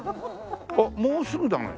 あっもうすぐだね。